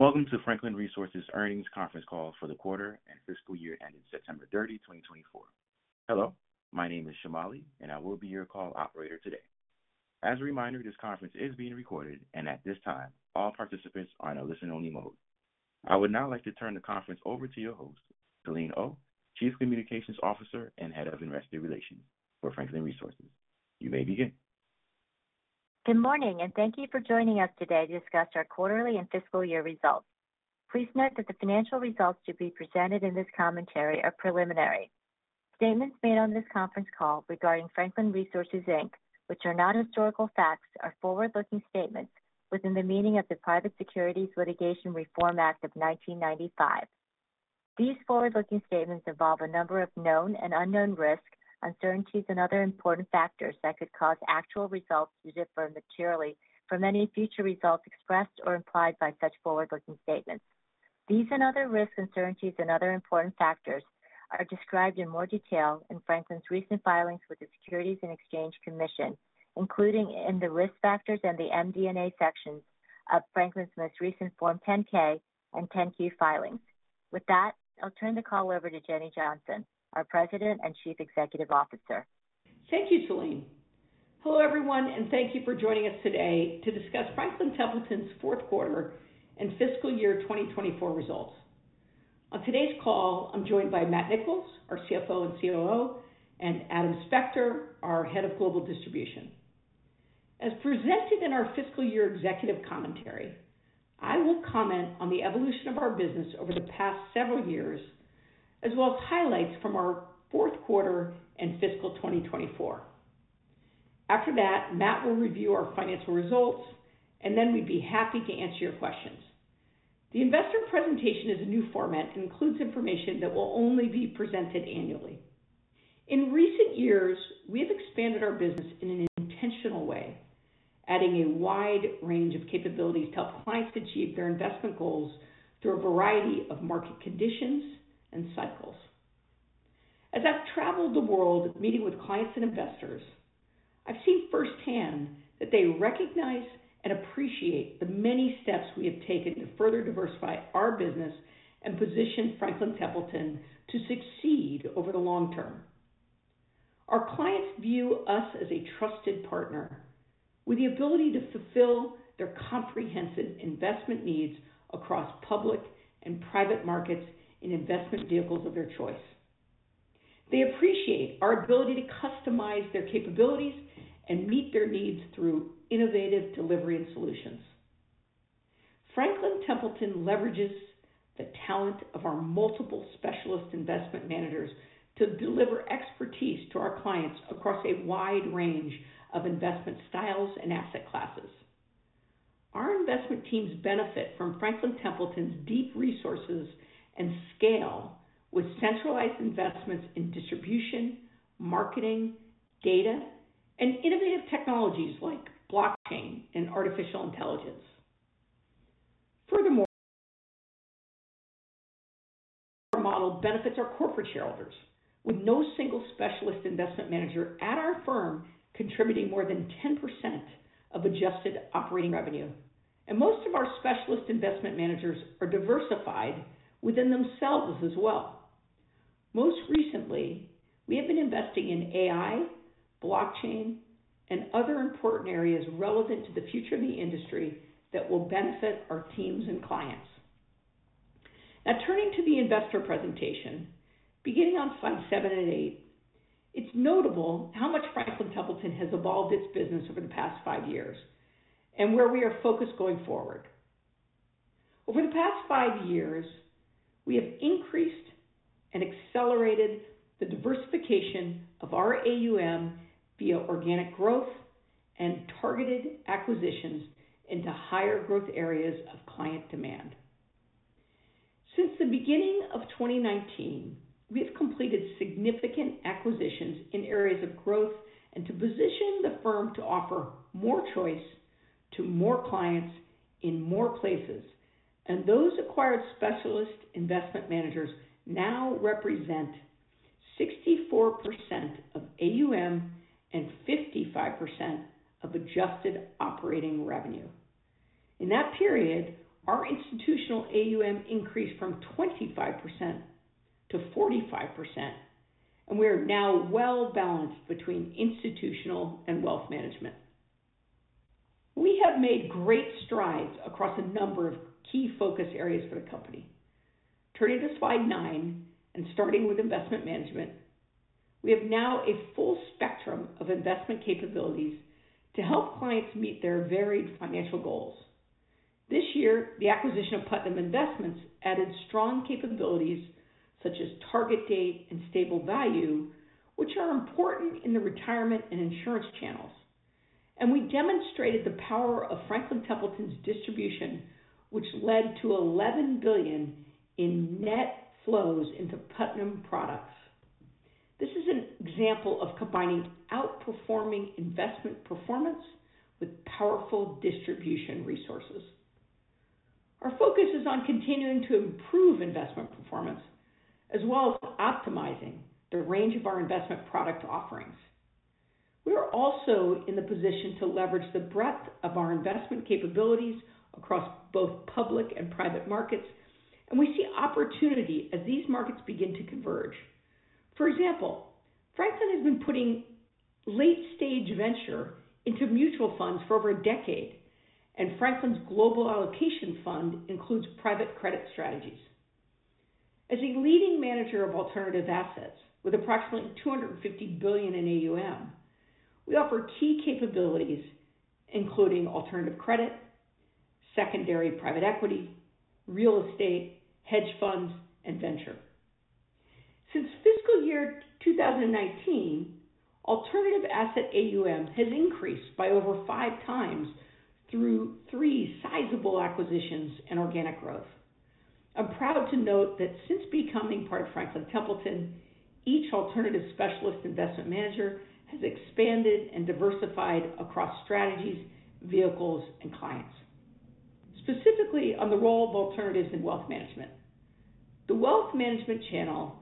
Welcome to Franklin Resources' earnings conference call for the quarter and fiscal year ending September 30, 2024. Hello, my name is Shomali, and I will be your call operator today. As a reminder, this conference is being recorded, and at this time, all participants are in a listen-only mode. I would now like to turn the conference over to your host, Selene Oh, Chief Communications Officer and Head of Investor Relations for Franklin Resources. You may begin. Good morning, and thank you for joining us today to discuss our quarterly and fiscal year results. Please note that the financial results to be presented in this commentary are preliminary. Statements made on this conference call regarding Franklin Resources, Inc., which are not historical facts, are forward-looking statements within the meaning of the Private Securities Litigation Reform Act of 1995. These forward-looking statements involve a number of known and unknown risks, uncertainties, and other important factors that could cause actual results to differ materially from any future results expressed or implied by such forward-looking statements. These and other risks and uncertainties and other important factors are described in more detail in Franklin's recent filings with the Securities and Exchange Commission, including in the risk factors and the MD&A sections of Franklin's most recent Form 10-K and 10-Q filings. With that, I'll turn the call over to Jenny Johnson, our President and Chief Executive Officer. Thank you, Selene. Hello, everyone, and thank you for joining us today to discuss Franklin Templeton's fourth quarter and fiscal year 2024 results. On today's call, I'm joined by Matt Nicholls, our CFO and COO, and Adam Spector, our Head of Global Distribution. As presented in our fiscal year executive commentary, I will comment on the evolution of our business over the past several years, as well as highlights from our fourth quarter and fiscal 2024. After that, Matt will review our financial results, and then we'd be happy to answer your questions. The investor presentation is a new format and includes information that will only be presented annually. In recent years, we have expanded our business in an intentional way, adding a wide range of capabilities to help clients achieve their investment goals through a variety of market conditions and cycles. As I've traveled the world meeting with clients and investors, I've seen firsthand that they recognize and appreciate the many steps we have taken to further diversify our business and position Franklin Templeton to succeed over the long term. Our clients view us as a trusted partner with the ability to fulfill their comprehensive investment needs across public and private markets in investment vehicles of their choice. They appreciate our ability to customize their capabilities and meet their needs through innovative delivery and solutions. Franklin Templeton leverages the talent of our multiple specialist investment managers to deliver expertise to our clients across a wide range of investment styles and asset classes. Our investment teams benefit from Franklin Templeton's deep resources and scale with centralized investments in distribution, marketing, data, and innovative technologies like blockchain and artificial intelligence. Furthermore, our model benefits our corporate shareholders, with no single specialist investment manager at our firm contributing more than 10% of adjusted operating revenue, and most of our specialist investment managers are diversified within themselves as well. Most recently, we have been investing in AI, blockchain, and other important areas relevant to the future of the industry that will benefit our teams and clients. Now, turning to the investor presentation, beginning on slides seven and eight, it's notable how much Franklin Templeton has evolved its business over the past five years and where we are focused going forward. Over the past five years, we have increased and accelerated the diversification of our AUM via organic growth and targeted acquisitions into higher growth areas of client demand. Since the beginning of 2019, we have completed significant acquisitions in areas of growth and to position the firm to offer more choice to more clients in more places, and those acquired specialist investment managers now represent 64% of AUM and 55% of adjusted operating revenue. In that period, our institutional AUM increased from 25% to 45%, and we are now well-balanced between institutional and wealth management. We have made great strides across a number of key focus areas for the company. Turning to slide nine and starting with investment management, we have now a full spectrum of investment capabilities to help clients meet their varied financial goals. This year, the acquisition of Putnam Investments added strong capabilities such as target date and stable value, which are important in the retirement and insurance channels, and we demonstrated the power of Franklin Templeton's distribution, which led to $11 billion in net flows into Putnam products. This is an example of combining outperforming investment performance with powerful distribution resources. Our focus is on continuing to improve investment performance as well as optimizing the range of our investment product offerings. We are also in the position to leverage the breadth of our investment capabilities across both public and private markets, and we see opportunity as these markets begin to converge. For example, Franklin has been putting late-stage venture into mutual funds for over a decade, and Franklin's global allocation fund includes private credit strategies. As a leading manager of alternative assets with approximately $250 billion in AUM, we offer key capabilities including alternative credit, secondary private equity, real estate, hedge funds, and venture. Since fiscal year 2019, alternative asset AUM has increased by over five times through three sizable acquisitions and organic growth. I'm proud to note that since becoming part of Franklin Templeton, each alternative specialist investment manager has expanded and diversified across strategies, vehicles, and clients, specifically on the role of alternatives in wealth management. The wealth management channel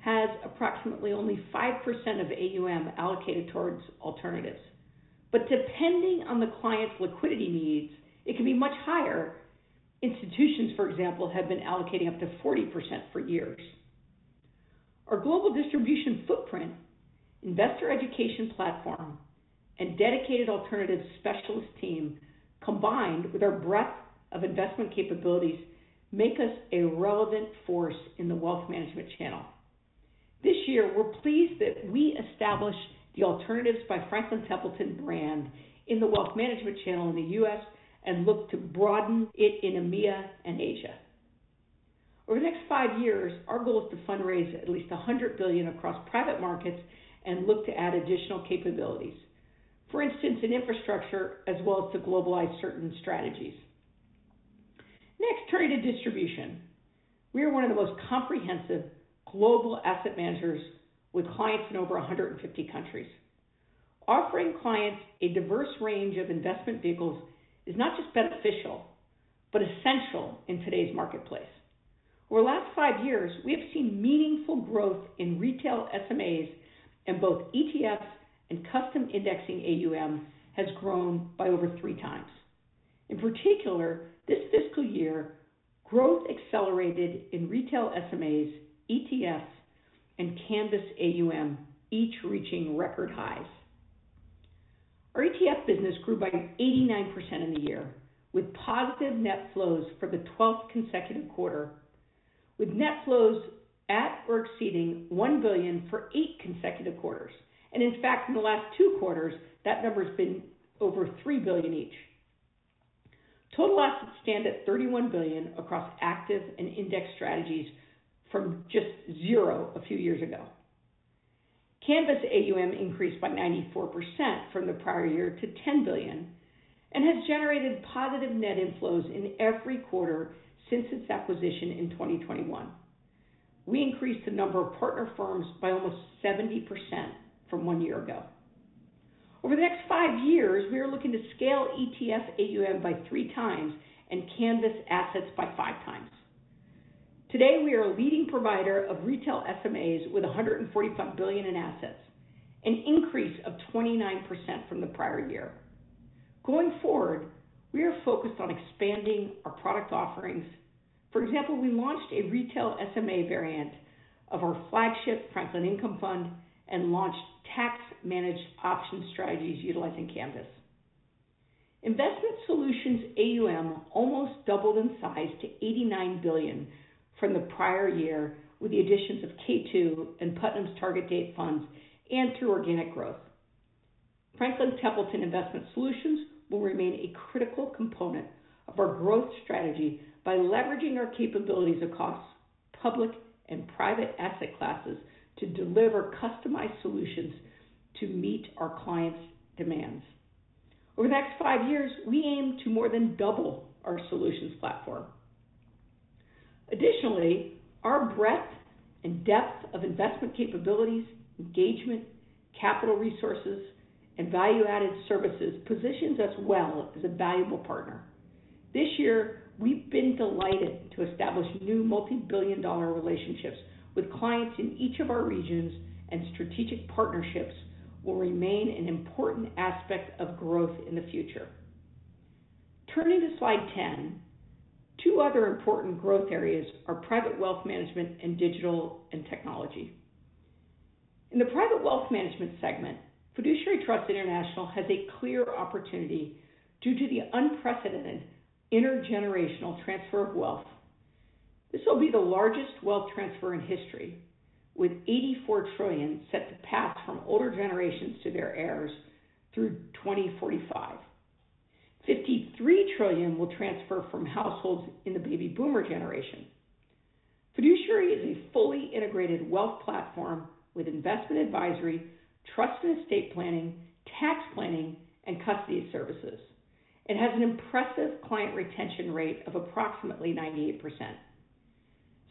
has approximately only 5% of AUM allocated towards alternatives, but depending on the client's liquidity needs, it can be much higher. Institutions, for example, have been allocating up to 40% for years. Our global distribution footprint, investor education platform, and dedicated alternative specialist team combined with our breadth of investment capabilities make us a relevant force in the wealth management channel. This year, we're pleased that we established the Alternatives by Franklin Templeton brand in the wealth management channel in the U.S. and look to broaden it in EMEA and Asia. Over the next five years, our goal is to fundraise at least $100 billion across private markets and look to add additional capabilities, for instance, in infrastructure as well as to globalize certain strategies. Next, turning to distribution, we are one of the most comprehensive global asset managers with clients in over 150 countries. Offering clients a diverse range of investment vehicles is not just beneficial but essential in today's marketplace. Over the last five years, we have seen meaningful growth in retail SMAs, and both ETFs and custom indexing AUM has grown by over three times. In particular, this fiscal year, growth accelerated in retail SMAs, ETFs, and Canvas AUM, each reaching record highs. Our ETF business grew by 89% in the year with positive net flows for the 12th consecutive quarter, with net flows at or exceeding $1 billion for eight consecutive quarters, and in fact, in the last two quarters, that number has been over $3 billion each. Total assets stand at $31 billion across active and indexed strategies from just zero a few years ago. Canvas AUM increased by 94% from the prior year to $10 billion and has generated positive net inflows in every quarter since its acquisition in 2021. We increased the number of partner firms by almost 70% from one year ago. Over the next five years, we are looking to scale ETF AUM by three times and Canvas assets by five times. Today, we are a leading provider of retail SMAs with $145 billion in assets, an increase of 29% from the prior year. Going forward, we are focused on expanding our product offerings. For example, we launched a retail SMA variant of our flagship Franklin Income Fund and launched tax-managed option strategies utilizing Canvas. Investment Solutions AUM almost doubled in size to $89 billion from the prior year with the additions of K2 and Putnam's target date funds and through organic growth. Franklin Templeton Investment Solutions will remain a critical component of our growth strategy by leveraging our capabilities across public and private asset classes to deliver customized solutions to meet our clients' demands. Over the next five years, we aim to more than double our solutions platform. Additionally, our breadth and depth of investment capabilities, engagement, capital resources, and value-added services positions us well as a valuable partner. This year, we've been delighted to establish new multi-billion-dollar relationships with clients in each of our regions, and strategic partnerships will remain an important aspect of growth in the future. Turning to slide ten, two other important growth areas are private wealth management and digital and technology. In the private wealth management segment, Fiduciary Trust International has a clear opportunity due to the unprecedented intergenerational transfer of wealth. This will be the largest wealth transfer in history, with $84 trillion set to pass from older generations to their heirs through 2045. $53 trillion will transfer from households in the baby boomer generation. Fiduciary is a fully integrated wealth platform with investment advisory, trust and estate planning, tax planning, and custody services, and has an impressive client retention rate of approximately 98%.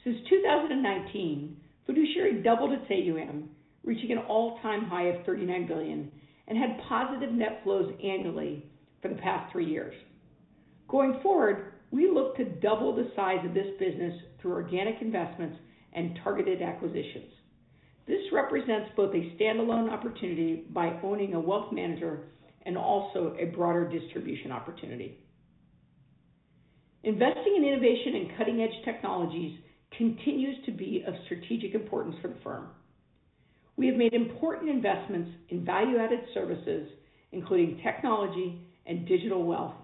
Since 2019, Fiduciary doubled its AUM, reaching an all-time high of $39 billion, and had positive net flows annually for the past three years. Going forward, we look to double the size of this business through organic investments and targeted acquisitions. This represents both a standalone opportunity by owning a wealth manager and also a broader distribution opportunity. Investing in innovation and cutting-edge technologies continues to be of strategic importance for the firm. We have made important investments in value-added services, including technology and digital wealth,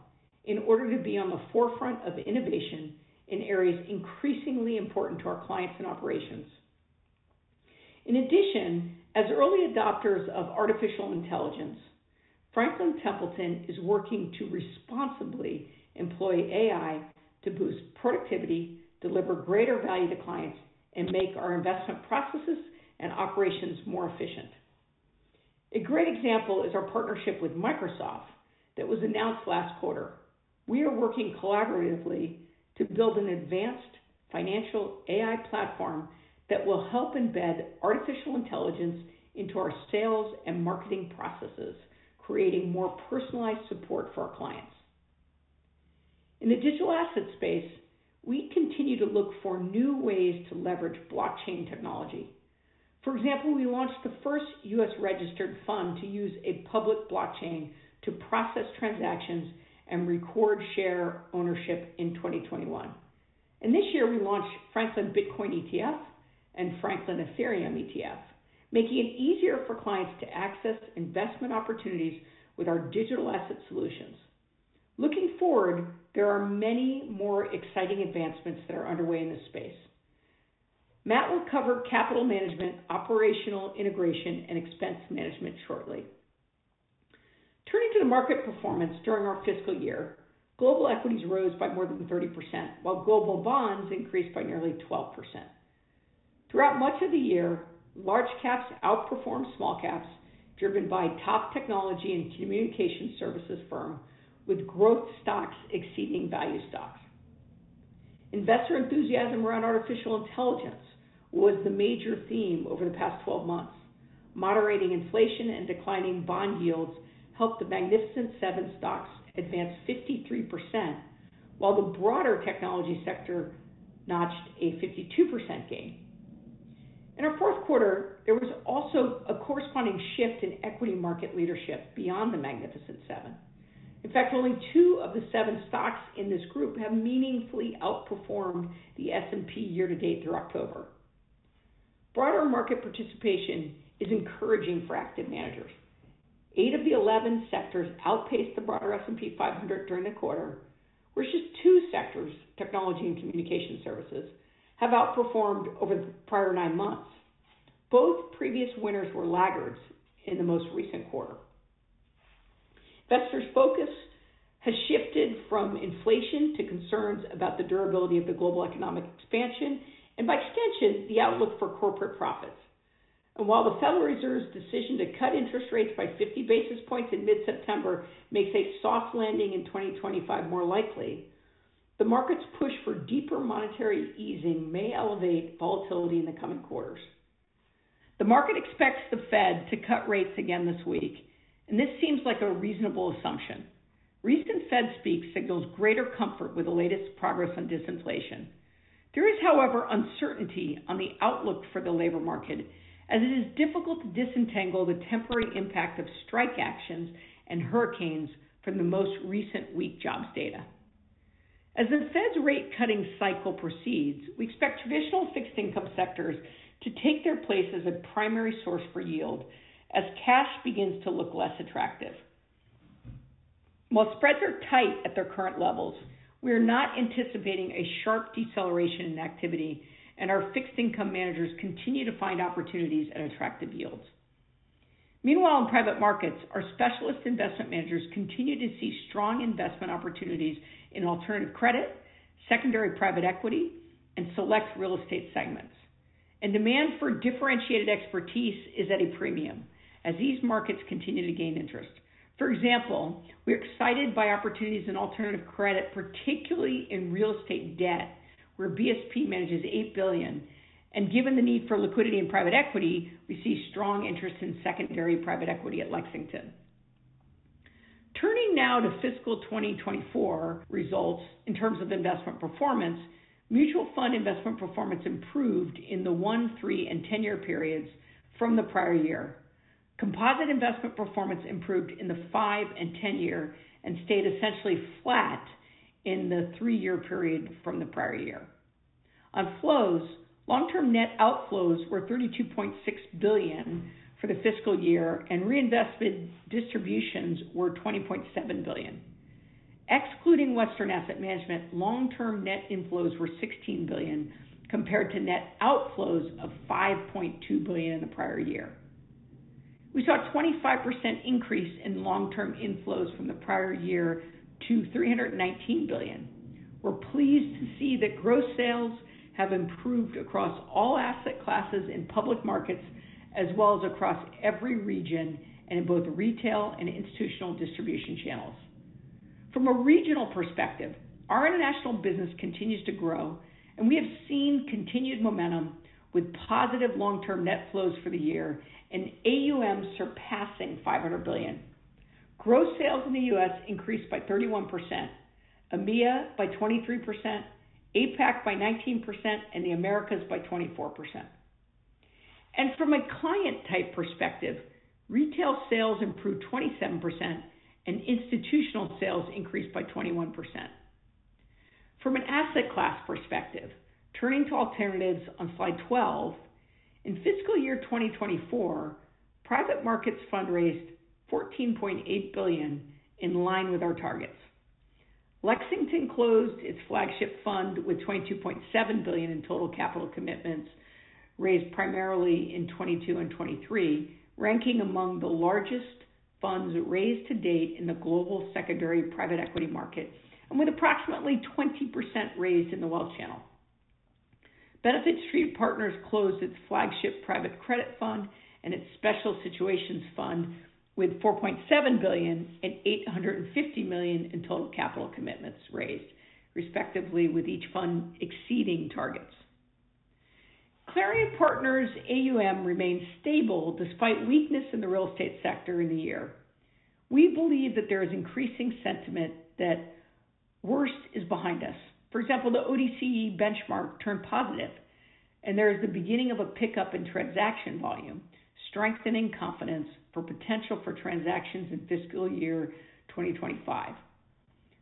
in order to be on the forefront of innovation in areas increasingly important to our clients and operations. In addition, as early adopters of artificial intelligence, Franklin Templeton is working to responsibly employ AI to boost productivity, deliver greater value to clients, and make our investment processes and operations more efficient. A great example is our partnership with Microsoft that was announced last quarter. We are working collaboratively to build an advanced financial AI platform that will help embed artificial intelligence into our sales and marketing processes, creating more personalized support for our clients. In the digital asset space, we continue to look for new ways to leverage blockchain technology. For example, we launched the first U.S.-registered fund to use a public blockchain to process transactions and record share ownership in 2021. And this year, we launched Franklin Bitcoin ETF and Franklin Ethereum ETF, making it easier for clients to access investment opportunities with our digital asset solutions. Looking forward, there are many more exciting advancements that are underway in this space. Matt will cover capital management, operational integration, and expense management shortly. Turning to the market performance during our fiscal year, global equities rose by more than 30%, while global bonds increased by nearly 12%. Throughout much of the year, large caps outperformed small caps driven by top technology and communication services firms with growth stocks exceeding value stocks. Investor enthusiasm around artificial intelligence was the major theme over the past 12 months. Moderating inflation and declining bond yields helped the Magnificent Seven stocks advance 53%, while the broader technology sector notched a 52% gain. In our fourth quarter, there was also a corresponding shift in equity market leadership beyond the Magnificent Seven. In fact, only two of the seven stocks in this group have meaningfully outperformed the S&P year-to-date through October. Broader market participation is encouraging for active managers. Eight of the 11 sectors outpaced the broader S&P 500 during the quarter, whereas just two sectors, technology and communication services, have outperformed over the prior nine months. Both previous winners were laggards in the most recent quarter. Investors' focus has shifted from inflation to concerns about the durability of the global economic expansion and, by extension, the outlook for corporate profits, and while the Federal Reserve's decision to cut interest rates by 50 basis points in mid-September makes a soft landing in 2025 more likely, the market's push for deeper monetary easing may elevate volatility in the coming quarters. The market expects the Fed to cut rates again this week, and this seems like a reasonable assumption. Recent Fed speaks signal greater comfort with the latest progress on disinflation. There is, however, uncertainty on the outlook for the labor market, as it is difficult to disentangle the temporary impact of strike actions and hurricanes from the most recent weak jobs data. As the Fed's rate-cutting cycle proceeds, we expect traditional fixed-income sectors to take their place as a primary source for yield as cash begins to look less attractive. While spreads are tight at their current levels, we are not anticipating a sharp deceleration in activity, and our fixed-income managers continue to find opportunities at attractive yields. Meanwhile, in private markets, our specialist investment managers continue to see strong investment opportunities in alternative credit, secondary private equity, and select real estate segments. And demand for differentiated expertise is at a premium as these markets continue to gain interest. For example, we are excited by opportunities in alternative credit, particularly in real estate debt, where BSP manages $8 billion. And given the need for liquidity in private equity, we see strong interest in secondary private equity at Lexington. Turning now to fiscal 2024 results in terms of investment performance, mutual fund investment performance improved in the one-, three-, and 10-year periods from the prior year. Composite investment performance improved in the five- and 10-year and stayed essentially flat in the three-year period from the prior year. On flows, long-term net outflows were $32.6 billion for the fiscal year, and reinvestment distributions were $20.7 billion. Excluding Western Asset Management, long-term net inflows were $16 billion compared to net outflows of $5.2 billion in the prior year. We saw a 25% increase in long-term inflows from the prior year to $319 billion. We're pleased to see that gross sales have improved across all asset classes in public markets as well as across every region and in both retail and institutional distribution channels. From a regional perspective, our international business continues to grow, and we have seen continued momentum with positive long-term net flows for the year and AUM surpassing $500 billion. Gross sales in the U.S. increased by 31%, EMEA by 23%, APAC by 19%, and the Americas by 24%, and from a client-type perspective, retail sales improved 27% and institutional sales increased by 21%. From an asset class perspective, turning to alternatives on slide 12, in fiscal year 2024, private markets fundraised $14.8 billion in line with our targets. Lexington closed its flagship fund with $22.7 billion in total capital commitments raised primarily in 2022 and 2023, ranking among the largest funds raised to date in the global secondary private equity market and with approximately 20% raised in the wealth channel. Benefit Street Partners closed its flagship private credit fund and its special situations fund with $4.7 billion and $850 million in total capital commitments raised, respectively, with each fund exceeding targets. Clarion Partners' AUM remains stable despite weakness in the real estate sector in the year. We believe that there is increasing sentiment that worst is behind us. For example, the ODCE benchmark turned positive, and there is the beginning of a pickup in transaction volume, strengthening confidence for potential for transactions in fiscal year 2025.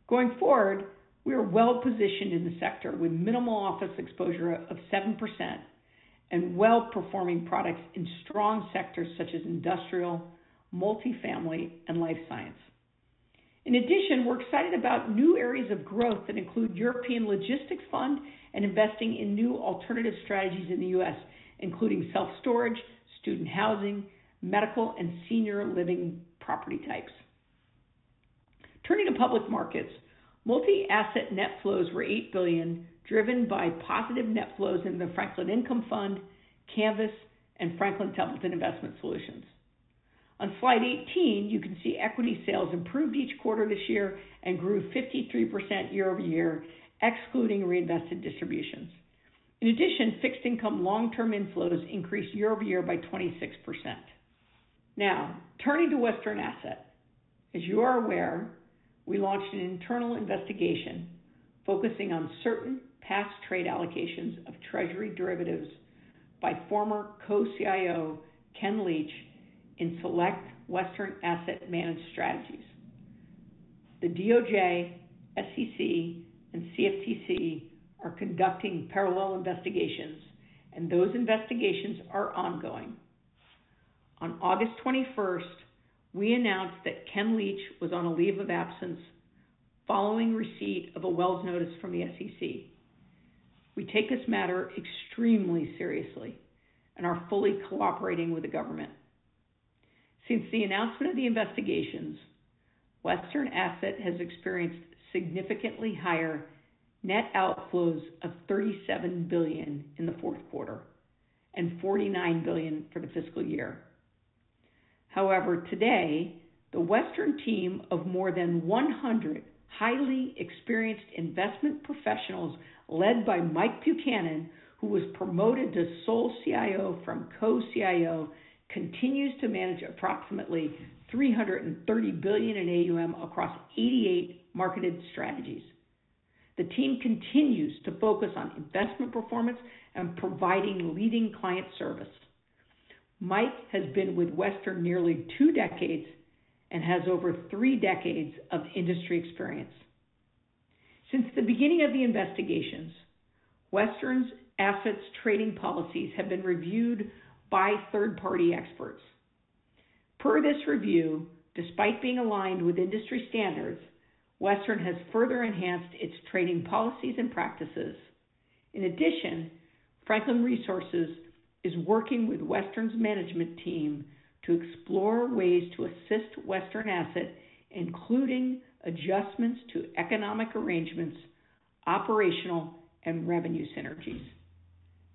Going forward, we are well-positioned in the sector with minimal office exposure of 7% and well-performing products in strong sectors such as industrial, multifamily, and life science. In addition, we're excited about new areas of growth that include European Logistics Fund and investing in new alternative strategies in the U.S., including self-storage, student housing, medical, and senior living property types. Turning to public markets, multi-asset net flows were $8 billion, driven by positive net flows in the Franklin Income Fund, Canvas, and Franklin Templeton Investment Solutions. On slide 18, you can see equity sales improved each quarter this year and grew 53% year-over-year, excluding reinvested distributions. In addition, fixed-income long-term inflows increased year-over-year by 26%. Now, turning to Western Asset. As you are aware, we launched an internal investigation focusing on certain past trade allocations of Treasury derivatives by former co-CIO Ken Leech in select Western Asset managed strategies. The DOJ, SEC, and CFTC are conducting parallel investigations, and those investigations are ongoing. On August 21st, we announced that Ken Leech was on a leave of absence following receipt of a Wells notice from the SEC. We take this matter extremely seriously and are fully cooperating with the government. Since the announcement of the investigations, Western Asset has experienced significantly higher net outflows of $37 billion in the fourth quarter and $49 billion for the fiscal year. However, today, the Western team of more than 100 highly experienced investment professionals led by Mike Buchanan, who was promoted to sole CIO from co-CIO, continues to manage approximately $330 billion in AUM across 88 marketed strategies. The team continues to focus on investment performance and providing leading client service. Mike has been with Western nearly two decades and has over three decades of industry experience. Since the beginning of the investigations, Western's assets trading policies have been reviewed by third-party experts. Per this review, despite being aligned with industry standards, Western has further enhanced its trading policies and practices. In addition, Franklin Resources is working with Western's management team to explore ways to assist Western Asset, including adjustments to economic arrangements, operational, and revenue synergies.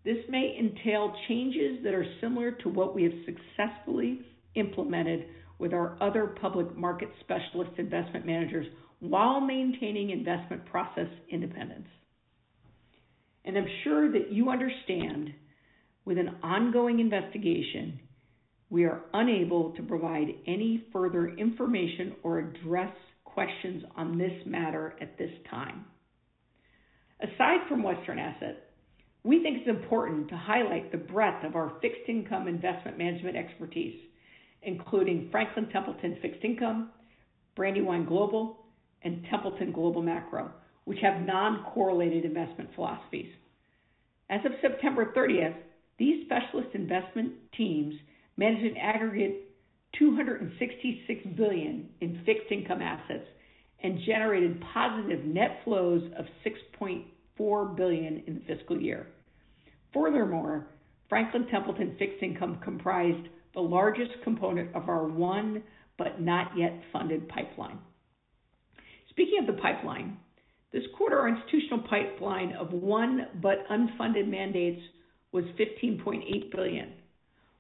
This may entail changes that are similar to what we have successfully implemented with our other public market specialist investment managers while maintaining investment process independence. And I'm sure that you understand, with an ongoing investigation, we are unable to provide any further information or address questions on this matter at this time. Aside from Western Asset, we think it's important to highlight the breadth of our fixed-income investment management expertise, including Franklin Templeton Fixed Income, Brandywine Global, and Templeton Global Macro, which have non-correlated investment philosophies. As of September 30th, these specialist investment teams managed an aggregate $266 billion in fixed-income assets and generated positive net flows of $6.4 billion in the fiscal year. Furthermore, Franklin Templeton Fixed Income comprised the largest component of our won-but-unfunded pipeline. Speaking of the pipeline, this quarter, our institutional pipeline of won-but-unfunded mandates was $15.8 billion.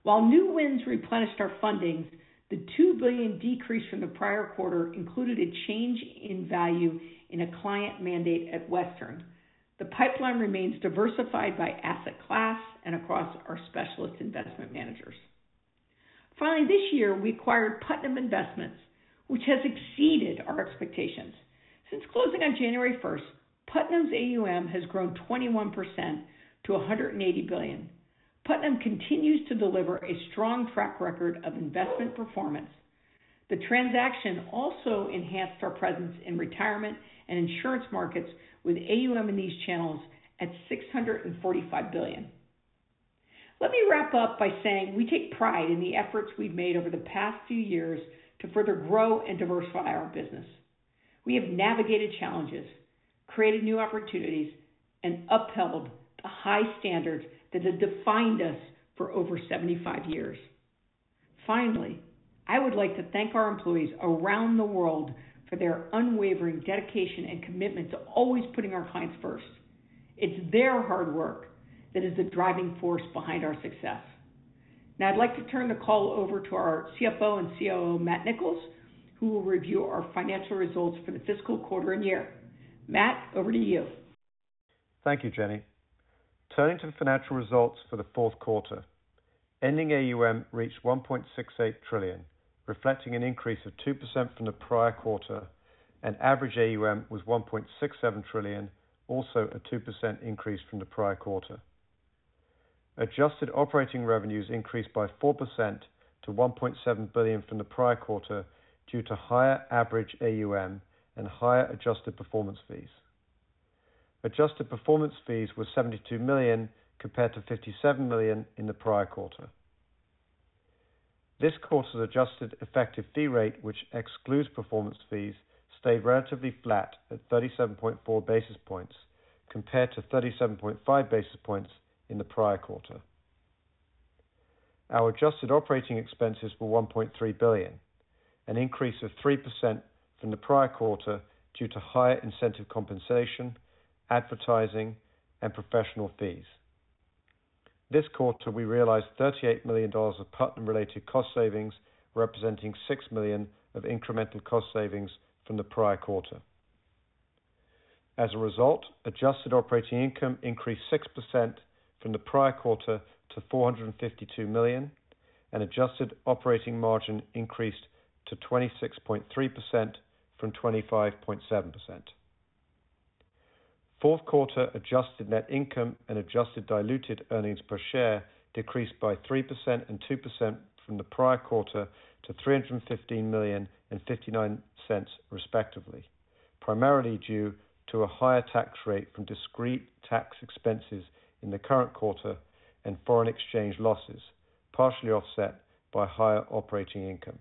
While new wins replenished our fundings, the $2 billion decrease from the prior quarter included a change in value in a client mandate at Western. The pipeline remains diversified by asset class and across our specialist investment managers. Finally, this year, we acquired Putnam Investments, which has exceeded our expectations. Since closing on January 1st, Putnam's AUM has grown 21% to $180 billion. Putnam continues to deliver a strong track record of investment performance. The transaction also enhanced our presence in retirement and insurance markets with AUM in these channels at $645 billion. Let me wrap up by saying we take pride in the efforts we've made over the past few years to further grow and diversify our business. We have navigated challenges, created new opportunities, and upheld the high standards that have defined us for over 75 years. Finally, I would like to thank our employees around the world for their unwavering dedication and commitment to always putting our clients first. It's their hard work that is the driving force behind our success. Now, I'd like to turn the call over to our CFO and COO, Matt Nicholls, who will review our financial results for the fiscal quarter and year. Matt, over to you. Thank you, Jenny. Turning to the financial results for the fourth quarter, ending AUM reached $1.68 trillion, reflecting an increase of 2% from the prior quarter, and average AUM was $1.67 trillion, also a 2% increase from the prior quarter. Adjusted operating revenues increased by 4% to $1.7 billion from the prior quarter due to higher average AUM and higher adjusted performance fees. Adjusted performance fees were $72 million compared to $57 million in the prior quarter. This quarter's adjusted effective fee rate, which excludes performance fees, stayed relatively flat at 37.4 basis points compared to 37.5 basis points in the prior quarter. Our adjusted operating expenses were $1.3 billion, an increase of 3% from the prior quarter due to higher incentive compensation, advertising, and professional fees. This quarter, we realized $38 million of Putnam-related cost savings, representing $6 million of incremental cost savings from the prior quarter. As a result, adjusted operating income increased 6% from the prior quarter to $452 million, and adjusted operating margin increased to 26.3% from 25.7%. Fourth quarter adjusted net income and adjusted diluted earnings per share decreased by 3% and 2% from the prior quarter to $315 million and $0.59, respectively, primarily due to a higher tax rate from discrete tax expenses in the current quarter and foreign exchange losses, partially offset by higher operating income.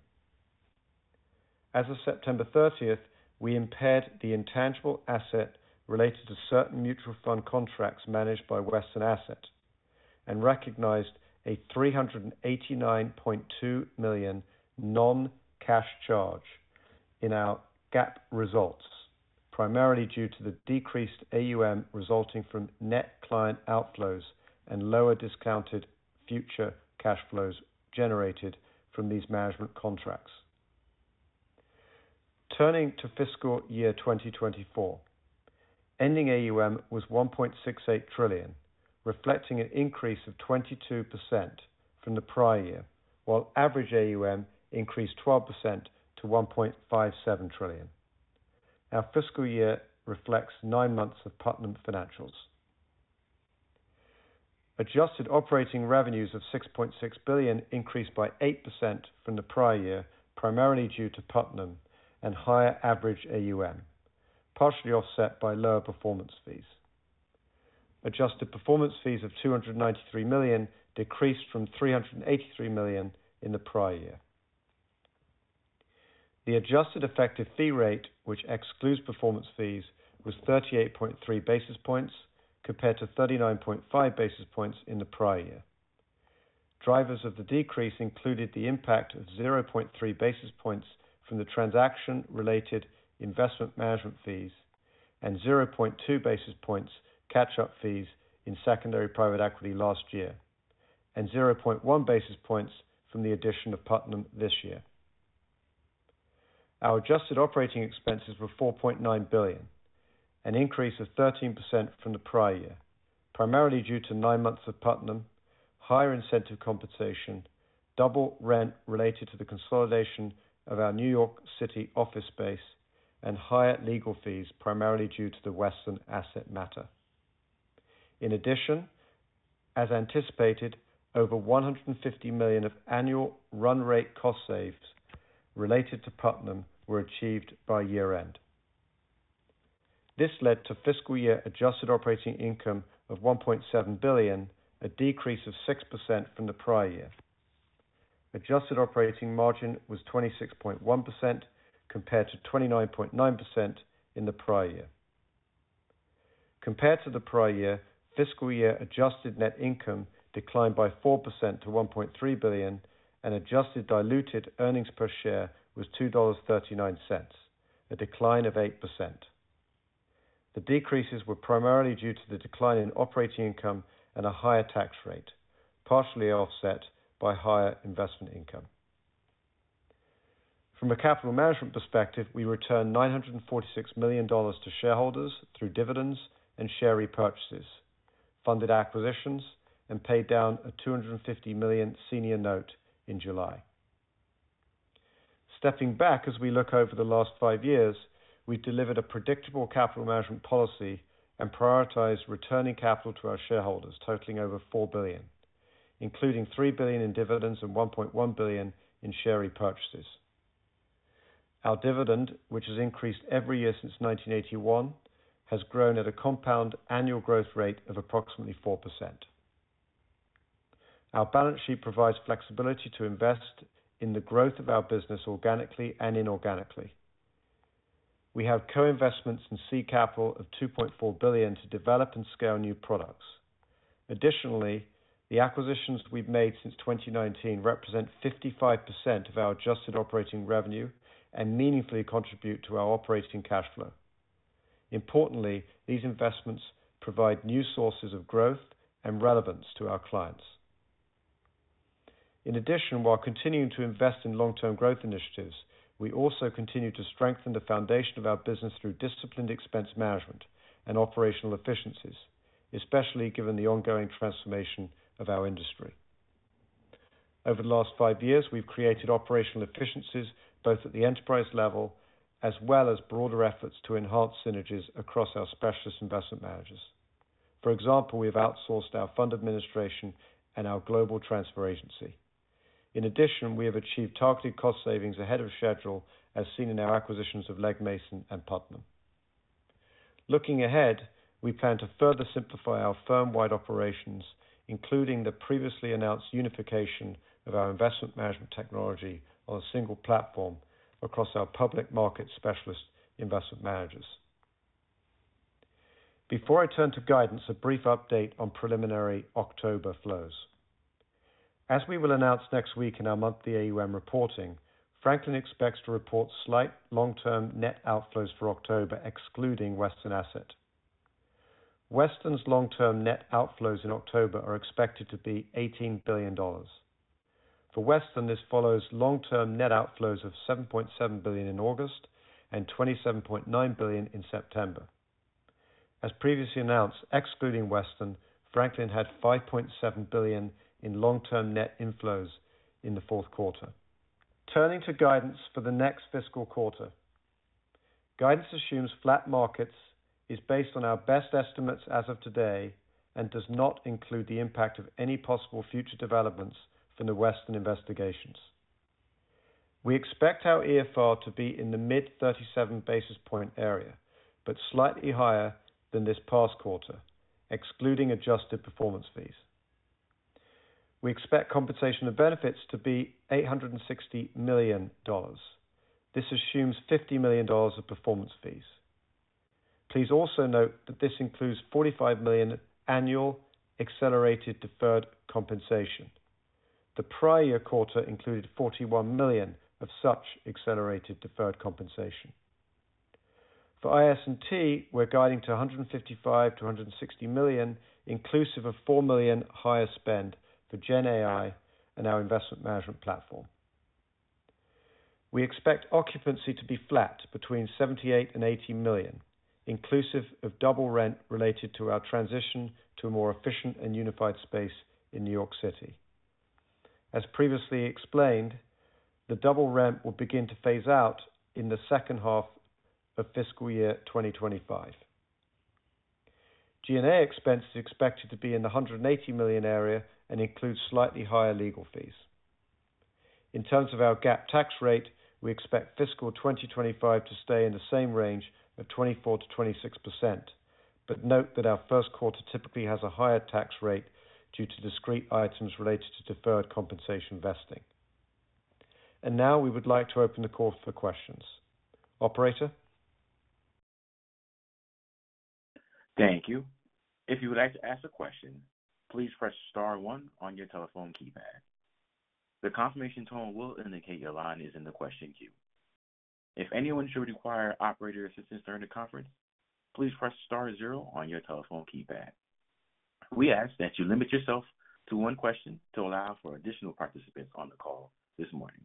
As of September 30th, we impaired the intangible asset related to certain mutual fund contracts managed by Western Asset and recognized a $389.2 million non-cash charge in our GAAP results, primarily due to the decreased AUM resulting from net client outflows and lower discounted future cash flows generated from these management contracts. Turning to fiscal year 2024, ending AUM was $1.68 trillion, reflecting an increase of 22% from the prior year, while average AUM increased 12% to $1.57 trillion. Our fiscal year reflects nine months of Putnam financials. Adjusted operating revenues of $6.6 billion increased by 8% from the prior year, primarily due to Putnam and higher average AUM, partially offset by lower performance fees. Adjusted performance fees of $293 million decreased from $383 million in the prior year. The adjusted effective fee rate, which excludes performance fees, was 38.3 basis points compared to 39.5 basis points in the prior year. Drivers of the decrease included the impact of 0.3 basis points from the transaction-related investment management fees and 0.2 basis points catch-up fees in secondary private equity last year and 0.1 basis points from the addition of Putnam this year. Our adjusted operating expenses were $4.9 billion, an increase of 13% from the prior year, primarily due to nine months of Putnam, higher incentive compensation, double rent related to the consolidation of our New York City office space, and higher legal fees, primarily due to the Western Asset matter. In addition, as anticipated, over $150 million of annual run rate cost savings related to Putnam were achieved by year-end. This led to fiscal year adjusted operating income of $1.7 billion, a decrease of 6% from the prior year. Adjusted operating margin was 26.1% compared to 29.9% in the prior year. Compared to the prior year, fiscal year adjusted net income declined by 4% to $1.3 billion, and adjusted diluted earnings per share was $2.39, a decline of 8%. The decreases were primarily due to the decline in operating income and a higher tax rate, partially offset by higher investment income. From a capital management perspective, we returned $946 million to shareholders through dividends and share repurchases, funded acquisitions, and paid down a $250 million senior note in July. Stepping back, as we look over the last five years, we delivered a predictable capital management policy and prioritized returning capital to our shareholders, totaling over $4 billion, including $3 billion in dividends and $1.1 billion in share repurchases. Our dividend, which has increased every year since 1981, has grown at a compound annual growth rate of approximately 4%. Our balance sheet provides flexibility to invest in the growth of our business organically and inorganically. We have co-investments in C Capital of $2.4 billion to develop and scale new products. Additionally, the acquisitions we've made since 2019 represent 55% of our adjusted operating revenue and meaningfully contribute to our operating cash flow. Importantly, these investments provide new sources of growth and relevance to our clients. In addition, while continuing to invest in long-term growth initiatives, we also continue to strengthen the foundation of our business through disciplined expense management and operational efficiencies, especially given the ongoing transformation of our industry. Over the last five years, we've created operational efficiencies both at the enterprise level as well as broader efforts to enhance synergies across our specialist investment managers. For example, we have outsourced our fund administration and our global transfer agency. In addition, we have achieved targeted cost savings ahead of schedule, as seen in our acquisitions of Legg Mason and Putnam. Looking ahead, we plan to further simplify our firm-wide operations, including the previously announced unification of our investment management technology on a single platform across our public market specialist investment managers. Before I turn to guidance, a brief update on preliminary October flows. As we will announce next week in our monthly AUM reporting, Franklin expects to report slight long-term net outflows for October, excluding Western Asset. Western's long-term net outflows in October are expected to be $18 billion. For Western, this follows long-term net outflows of $7.7 billion in August and $27.9 billion in September. As previously announced, excluding Western, Franklin had $5.7 billion in long-term net inflows in the fourth quarter. Turning to guidance for the next fiscal quarter, guidance assumes flat markets is based on our best estimates as of today and does not include the impact of any possible future developments from the Western investigations. We expect our EFR to be in the mid-37 basis point area but slightly higher than this past quarter, excluding adjusted performance fees. We expect compensation of benefits to be $860 million. This assumes $50 million of performance fees. Please also note that this includes $45 million annual accelerated deferred compensation. The prior year quarter included $41 million of such accelerated deferred compensation. For IS&T, we're guiding to $155 million-$160 million, inclusive of $4 million higher spend for GenAI and our investment management platform. We expect occupancy to be flat between $78 and $80 million, inclusive of double rent related to our transition to a more efficient and unified space in New York City. As previously explained, the double rent will begin to phase out in the second half of fiscal year 2025. G&A expense is expected to be in the $180 million area and include slightly higher legal fees. In terms of our GAAP tax rate, we expect fiscal 2025 to stay in the same range of 24%-26%, but note that our first quarter typically has a higher tax rate due to discrete items related to deferred compensation vesting. And now we would like to open the call for questions. Operator. Thank you. If you would like to ask a question, please press star one on your telephone keypad. The confirmation tone will indicate your line is in the question queue. If anyone should require operator assistance during the conference, please press star zero on your telephone keypad. We ask that you limit yourself to one question to allow for additional participants on the call this morning.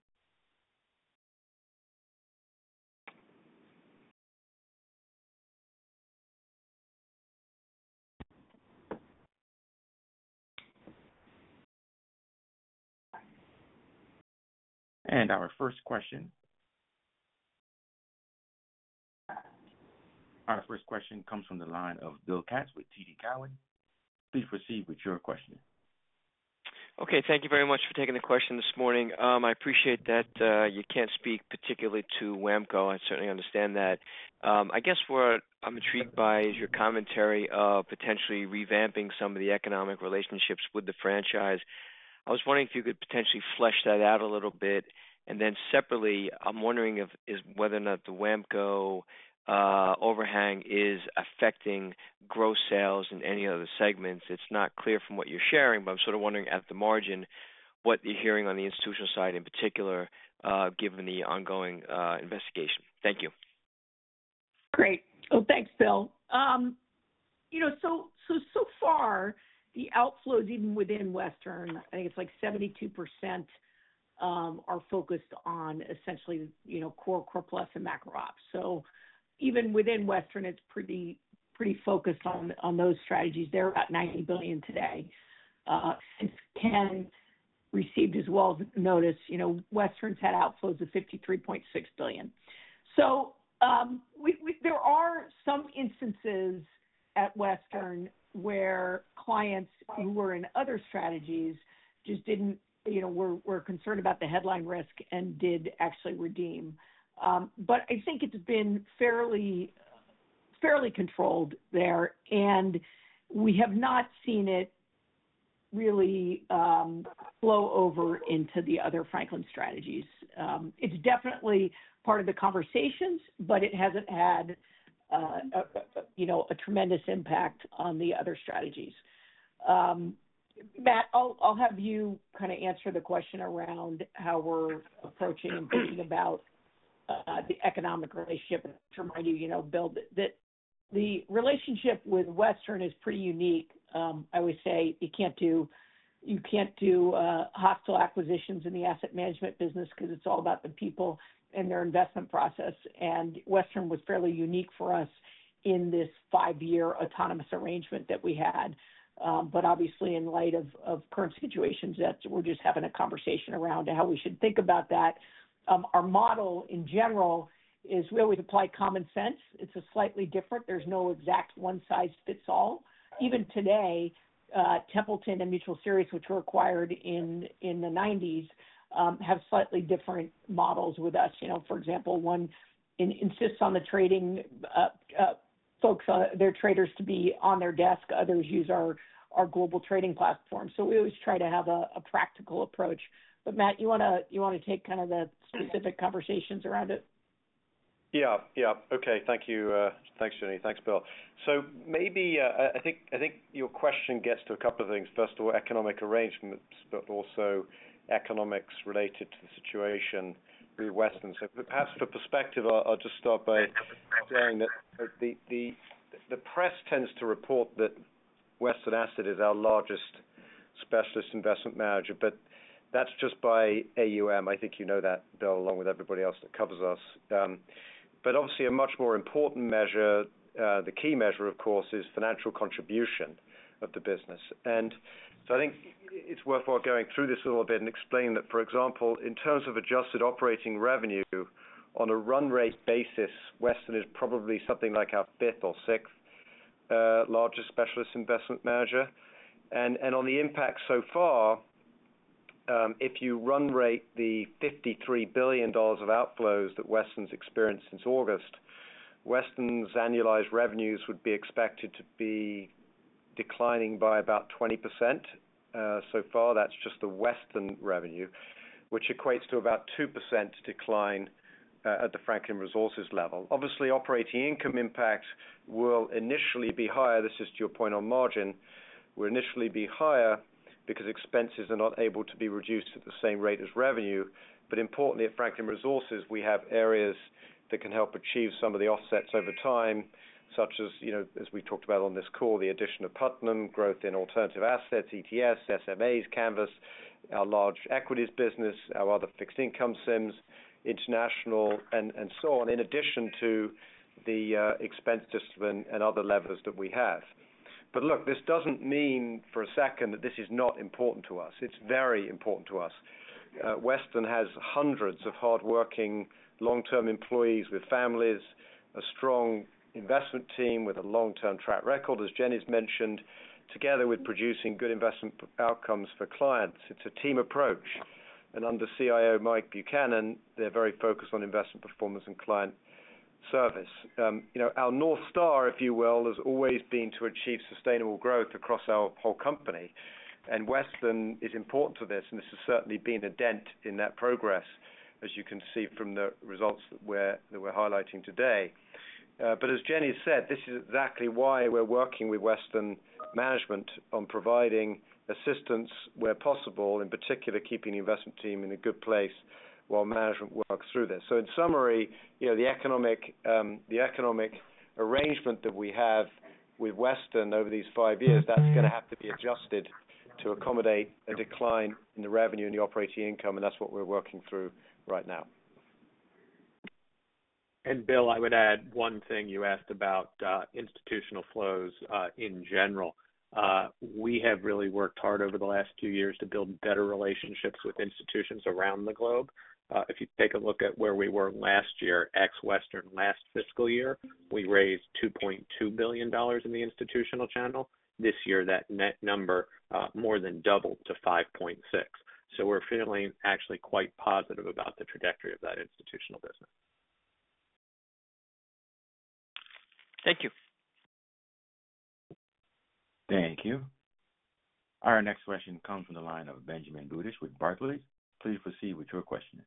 And our first question. Our first question comes from the line of Bill Katz with TD Cowen. Please proceed with your question. Okay. Thank you very much for taking the question this morning. I appreciate that you can't speak particularly to WAMCO. I certainly understand that. I guess what I'm intrigued by is your commentary of potentially revamping some of the economic relationships with the franchise. I was wondering if you could potentially flesh that out a little bit. And then separately, I'm wondering whether or not the WAMCO overhang is affecting gross sales in any of the segments. It's not clear from what you're sharing, but I'm sort of wondering at the margin what you're hearing on the institutional side in particular, given the ongoing investigation. Thank you. Great. Oh, thanks, Bill. So far, the outflows even within Western, I think it's like 72% are focused on essentially Core, Core Plus, and Macro Ops. So even within Western, it's pretty focused on those strategies. They're about $90 billion today. And Ken received his Wells notice. Western's had outflows of $53.6 billion. So there are some instances at Western where clients who were in other strategies just were concerned about the headline risk and did actually redeem. But I think it's been fairly controlled there, and we have not seen it really flow over into the other Franklin strategies. It's definitely part of the conversations, but it hasn't had a tremendous impact on the other strategies. Matt, I'll have you kind of answer the question around how we're approaching and thinking about the economic relationship. To remind you, Bill, that the relationship with Western is pretty unique. I always say you can't do hostile acquisitions in the asset management business because it's all about the people and their investment process. And Western was fairly unique for us in this five-year autonomous arrangement that we had. But obviously, in light of current situations, we're just having a conversation around how we should think about that. Our model in general is we always apply common sense. It's slightly different. There's no exact one-size-fits-all. Even today, Templeton and Mutual Series, which were acquired in the 1990s, have slightly different models with us. For example, one insists on the trading folks, their traders, to be on their desk. Others use our global trading platform. So we always try to have a practical approach. But Matt, you want to take kind of the specific conversations around it? Yeah. Yeah. Okay. Thank you. Thanks, Jenny. Thanks, Bill. So maybe I think your question gets to a couple of things. First of all, economic arrangements, but also economics related to the situation with Western. So perhaps for perspective, I'll just start by saying that the press tends to report that Western Asset is our largest specialist investment manager, but that's just by AUM. I think you know that, Bill, along with everybody else that covers us. But obviously, a much more important measure, the key measure, of course, is financial contribution of the business. And so I think it's worthwhile going through this a little bit and explaining that, for example, in terms of adjusted operating revenue, on a run rate basis, Western is probably something like our fifth or sixth largest specialist investment manager. And on the impact so far, if you run rate the $53 billion of outflows that Western's experienced since August, Western's annualized revenues would be expected to be declining by about 20%. So far, that's just the Western revenue, which equates to about 2% decline at the Franklin Resources level. Obviously, operating income impact will initially be higher. This is to your point on margin. Will initially be higher because expenses are not able to be reduced at the same rate as revenue. But importantly, at Franklin Resources, we have areas that can help achieve some of the offsets over time, such as, as we talked about on this call, the addition of Putnam, growth in alternative assets, ETFs, SMAs, Canvas, our large equities business, our other fixed income SIMs, international, and so on, in addition to the expense discipline and other levers that we have. But look, this doesn't mean for a second that this is not important to us. It's very important to us. Western has hundreds of hardworking long-term employees with families, a strong investment team with a long-term track record, as Jenny's mentioned, together with producing good investment outcomes for clients. It's a team approach. And under CIO Mike Buchanan, they're very focused on investment performance and client service. Our North Star, if you will, has always been to achieve sustainable growth across our whole company. And Western is important to this, and this has certainly been a dent in that progress, as you can see from the results that we're highlighting today. But as Jenny said, this is exactly why we're working with Western Management on providing assistance where possible, in particular, keeping the investment team in a good place while management works through this. So in summary, the economic arrangement that we have with Western over these five years, that's going to have to be adjusted to accommodate a decline in the revenue and the operating income, and that's what we're working through right now. And Bill, I would add one thing. You asked about institutional flows in general. We have really worked hard over the last two years to build better relationships with institutions around the globe. If you take a look at where we were last year, ex-Western, last fiscal year, we raised $2.2 billion in the institutional channel. This year, that net number more than doubled to $5.6 billion. So we're feeling actually quite positive about the trajectory of that institutional business. Thank you. Thank you. Our next question comes from the line of Benjamin Budish with Barclays. Please proceed with your question.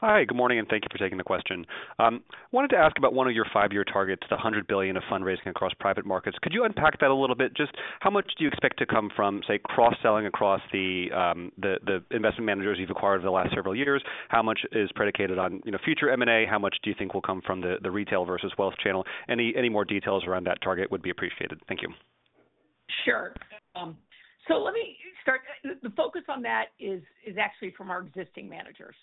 Hi. Good morning, and thank you for taking the question. I wanted to ask about one of your five-year targets, the $100 billion of fundraising across private markets. Could you unpack that a little bit? Just how much do you expect to come from, say, cross-selling across the investment managers you've acquired over the last several years? How much is predicated on future M&A? How much do you think will come from the retail versus wealth channel? Any more details around that target would be appreciated. Thank you. Sure. So let me start. The focus on that is actually from our existing managers.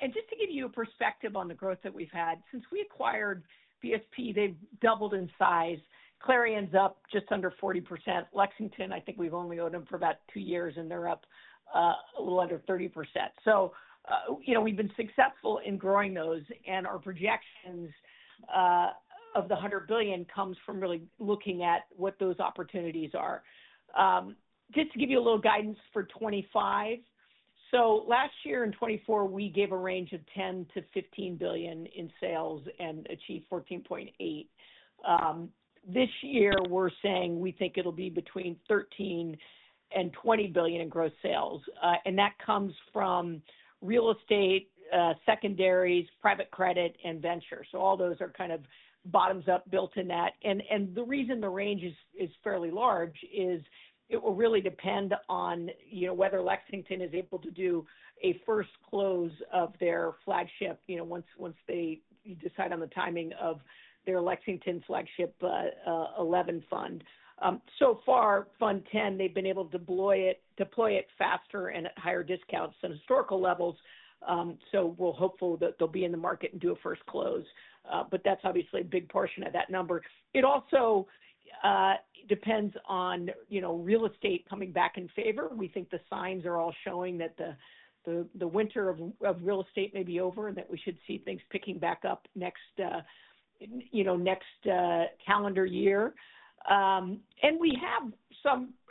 And just to give you a perspective on the growth that we've had, since we acquired BSP, they've doubled in size. Clarion's up just under 40%. Lexington, I think we've only owned them for about two years, and they're up a little under 30%. So we've been successful in growing those, and our projections of the $100 billion come from really looking at what those opportunities are. Just to give you a little guidance for 2025. So last year and 2024, we gave a range of $10 billion-$15 billion in sales and achieved $14.8 billion. This year, we're saying we think it'll be between $13 billion-$20 billion in gross sales. And that comes from real estate, secondaries, private credit, and venture. So all those are kind of bottoms-up built in that. And the reason the range is fairly large is it will really depend on whether Lexington is able to do a first close of their flagship once they decide on the timing of their Lexington flagship 11 fund. So far, fund 10, they've been able to deploy it faster and at higher discounts than historical levels. So we're hopeful that they'll be in the market and do a first close. But that's obviously a big portion of that number. It also depends on real estate coming back in favor. We think the signs are all showing that the winter of real estate may be over and that we should see things picking back up next calendar year. And we have,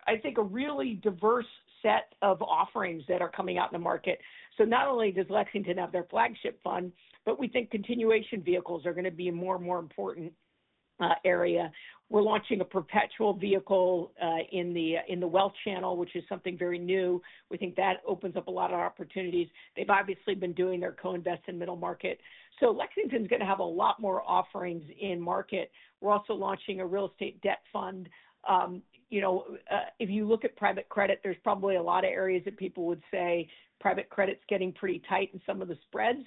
I think, a really diverse set of offerings that are coming out in the market. So not only does Lexington have their flagship fund, but we think continuation vehicles are going to be a more and more important area. We're launching a perpetual vehicle in the wealth channel, which is something very new. We think that opens up a lot of opportunities. They've obviously been doing their co-invest in middle market. So Lexington's going to have a lot more offerings in market. We're also launching a real estate debt fund. If you look at private credit, there's probably a lot of areas that people would say private credit's getting pretty tight in some of the spreads,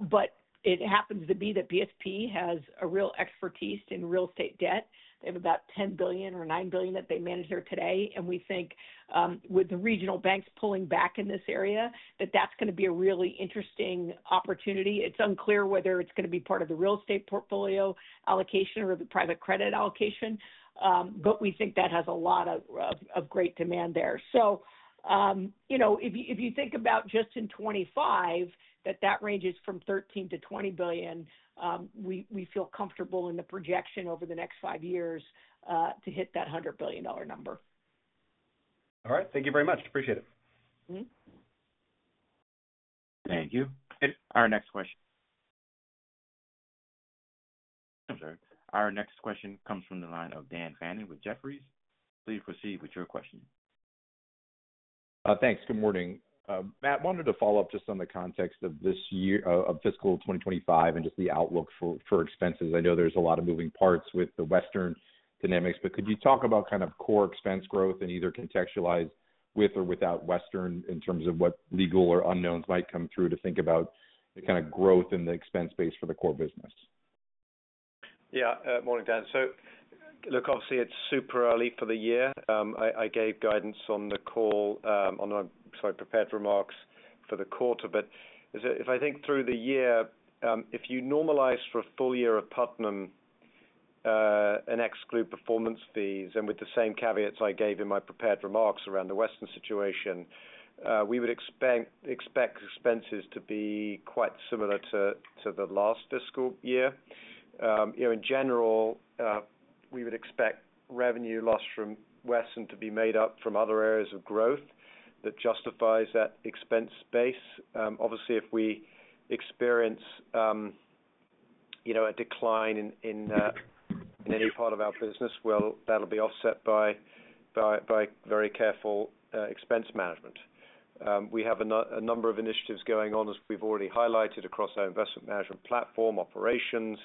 but it happens to be that BSP has a real expertise in real estate debt. They have about $10 billion or $9 billion that they manage there today. And we think with the regional banks pulling back in this area, that that's going to be a really interesting opportunity. It's unclear whether it's going to be part of the real estate portfolio allocation or the private credit allocation, but we think that has a lot of great demand there, so if you think about just in 2025, that ranges from $13 billion-$20 billion, we feel comfortable in the projection over the next five years to hit that $100 billion number. All right. Thank you very much. Appreciate it. Thank you. Our next question. I'm sorry. Our next question comes from the line of Dan Fannon with Jefferies. Please proceed with your question. Thanks. Good morning. Matt, I wanted to follow up just on the context of this year of fiscal 2025 and just the outlook for expenses. I know there's a lot of moving parts with the Western dynamics, but could you talk about kind of core expense growth and either contextualize with or without Western in terms of what legal or unknowns might come through to think about the kind of growth in the expense base for the core business? Yeah. Morning, Dan. So look, obviously, it's super early for the year. I gave guidance on the call, on my prepared remarks for the quarter. But if I think through the year, if you normalize for a full year of Putnam and exclude performance fees, and with the same caveats I gave in my prepared remarks around the Western situation, we would expect expenses to be quite similar to the last fiscal year. In general, we would expect revenue lost from Western to be made up from other areas of growth that justifies that expense base. Obviously, if we experience a decline in any part of our business, well, that'll be offset by very careful expense management. We have a number of initiatives going on, as we've already highlighted, across our investment management platform, operations,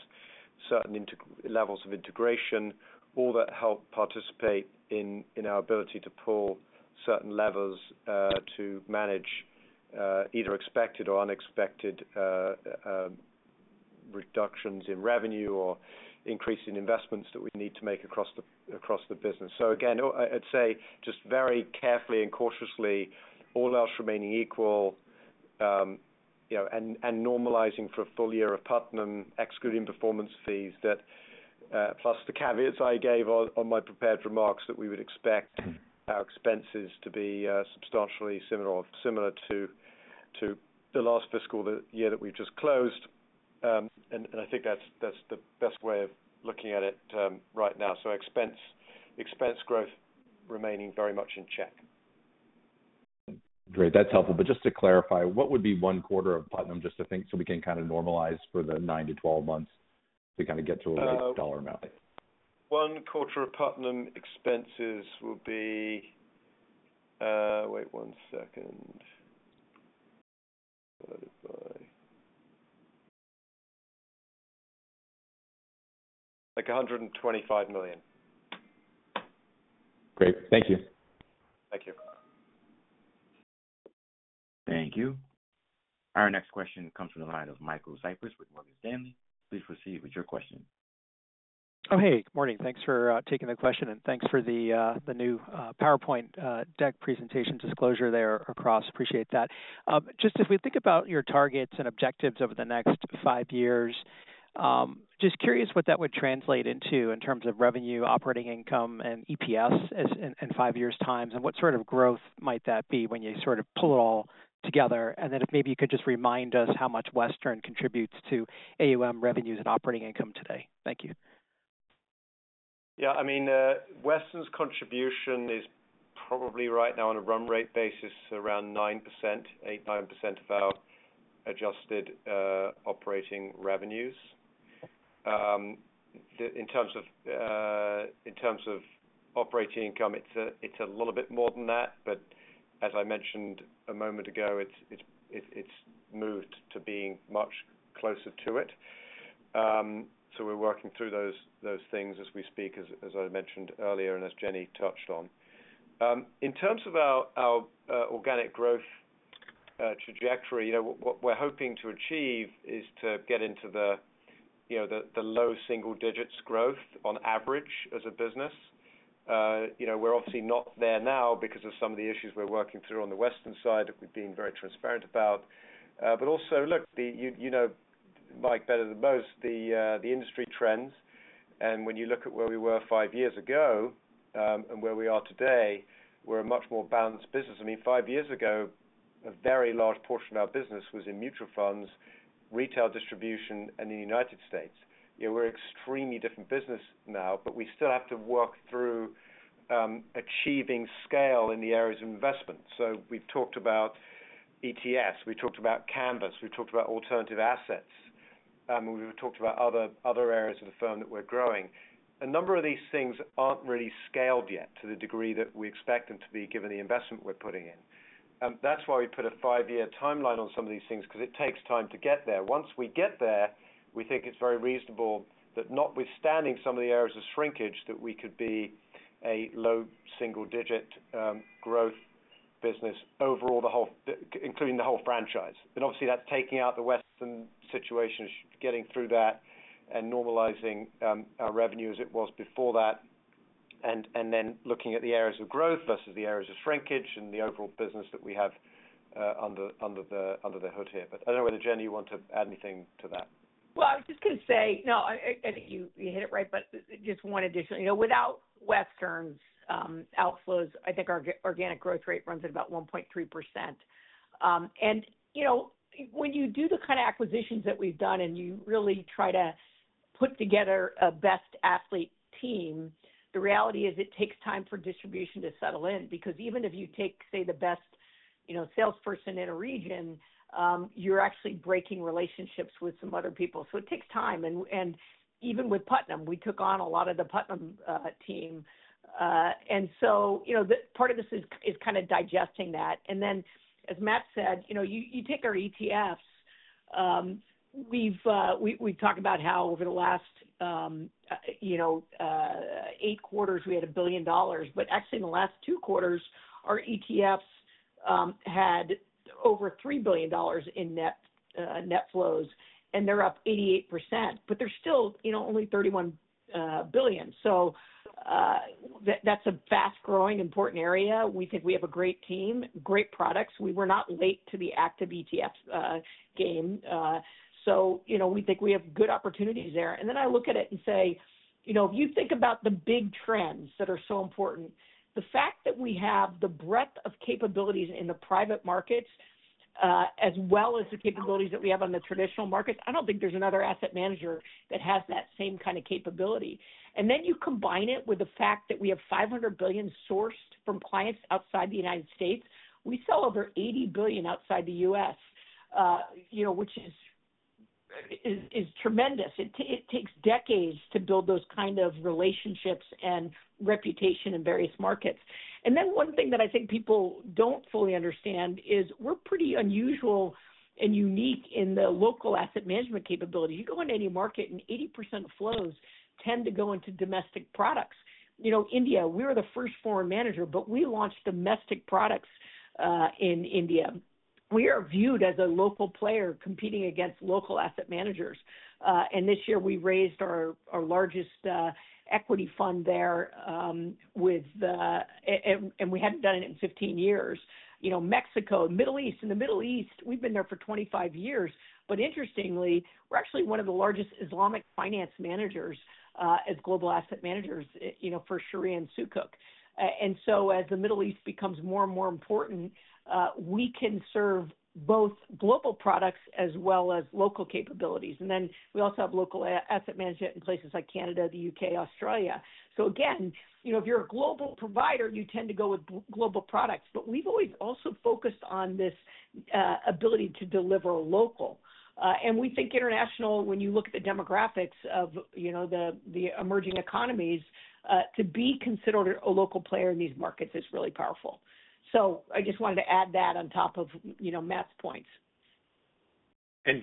certain levels of integration, all that help participate in our ability to pull certain levers to manage either expected or unexpected reductions in revenue or increasing investments that we need to make across the business. So again, I'd say just very carefully and cautiously, all else remaining equal, and normalizing for a full year of Putnam, excluding performance fees, that plus the caveats I gave on my prepared remarks that we would expect our expenses to be substantially similar to the last fiscal year that we've just closed. And I think that's the best way of looking at it right now. So expense growth remaining very much in check. Great. That's helpful. But just to clarify, what would be one quarter of Putnam just to think so we can kind of normalize for the 9-12 months to kind of get to a dollar amount? One quarter of Putnam expenses will be. Wait one second. Like $125 million. Great. Thank you. Thank you. Thank you. Our next question comes from the line of Michael Cyprys with Morgan Stanley. Please proceed with your question. Oh, hey. Good morning. Thanks for taking the question, and thanks for the new PowerPoint deck presentation disclosure there across. Appreciate that. Just as we think about your targets and objectives over the next five years, just curious what that would translate into in terms of revenue, operating income, and EPS in five years' time, and what sort of growth might that be when you sort of pull it all together? And then if maybe you could just remind us how much Western contributes to AUM revenues and operating income today. Thank you. Yeah. I mean, Western's contribution is probably right now on a run rate basis around 9%, 8-9% of our adjusted operating revenues. In terms of operating income, it's a little bit more than that, but as I mentioned a moment ago, it's moved to being much closer to it. So we're working through those things as we speak, as I mentioned earlier and as Jenny touched on. In terms of our organic growth trajectory, what we're hoping to achieve is to get into the low single digits growth on average as a business. We're obviously not there now because of some of the issues we're working through on the Western side that we've been very transparent about. But also, look, you know Mike better than most the industry trends. And when you look at where we were five years ago and where we are today, we're a much more balanced business. I mean, five years ago, a very large portion of our business was in mutual funds, retail distribution, and the United States. We're an extremely different business now, but we still have to work through achieving scale in the areas of investment. So we've talked about ETFs. We talked about Canvas. We talked about alternative assets. We've talked about other areas of the firm that we're growing. A number of these things aren't really scaled yet to the degree that we expect them to be given the investment we're putting in. That's why we put a five-year timeline on some of these things because it takes time to get there. Once we get there, we think it's very reasonable that notwithstanding some of the areas of shrinkage, that we could be a low single digit growth business overall, including the whole franchise. And obviously, that's taking out the Western situation, getting through that, and normalizing our revenue as it was before that, and then looking at the areas of growth versus the areas of shrinkage and the overall business that we have under the hood here. But I don't know whether Jenny, you want to add anything to that. Well, I was just going to say, no, I think you hit it right, but just one additional. Without Western's outflows, I think our organic growth rate runs at about 1.3%. And when you do the kind of acquisitions that we've done and you really try to put together a best athlete team, the reality is it takes time for distribution to settle in because even if you take, say, the best salesperson in a region, you're actually breaking relationships with some other people. So it takes time. And even with Putnam, we took on a lot of the Putnam team. And so part of this is kind of digesting that. And then, as Matt said, you take our ETFs. We've talked about how over the last eight quarters, we had $1 billion, but actually in the last two quarters, our ETFs had over $3 billion in net flows, and they're up 88%, but they're still only $31 billion, so that's a fast-growing, important area. We think we have a great team, great products. We were not late to the active ETF game, so we think we have good opportunities there. And then I look at it and say, if you think about the big trends that are so important, the fact that we have the breadth of capabilities in the private markets as well as the capabilities that we have on the traditional markets, I don't think there's another asset manager that has that same kind of capability, and then you combine it with the fact that we have $500 billion sourced from clients outside the United States. We sell over $80 billion outside the U.S., which is tremendous. It takes decades to build those kind of relationships and reputation in various markets. And then one thing that I think people don't fully understand is we're pretty unusual and unique in the local asset management capability. You go into any market, and 80% of flows tend to go into domestic products. India, we were the first foreign manager, but we launched domestic products in India. We are viewed as a local player competing against local asset managers. And this year, we raised our largest equity fund there, and we hadn't done it in 15 years. Mexico, Middle East, in the Middle East, we've been there for 25 years. But interestingly, we're actually one of the largest Islamic finance managers as global asset managers for Sharia and Sukuk. As the Middle East becomes more and more important, we can serve both global products as well as local capabilities. We also have local asset management in places like Canada, the U.K., Australia. Again, if you're a global provider, you tend to go with global products. We've always also focused on this ability to deliver local. We think international, when you look at the demographics of the emerging economies, to be considered a local player in these markets is really powerful. I just wanted to add that on top of Matt's points.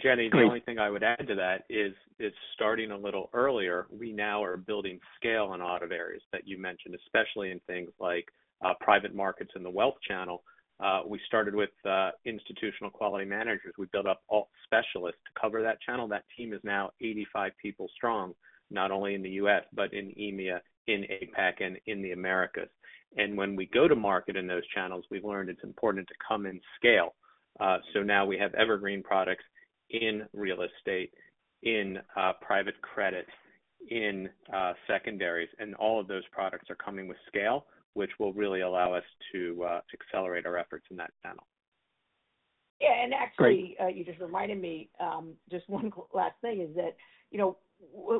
Jenny, the only thing I would add to that is starting a little earlier, we now are building scale in a lot of areas that you mentioned, especially in things like private markets and the wealth channel. We started with institutional quality managers. We built up all specialists to cover that channel. That team is now 85 people strong, not only in the U.S., but in EMEA, in APAC, and in the Americas. And when we go to market in those channels, we've learned it's important to come in scale. So now we have evergreen products in real estate, in private credit, in secondaries, and all of those products are coming with scale, which will really allow us to accelerate our efforts in that channel. Yeah. And actually, you just reminded me, just one last thing is that